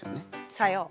さよう。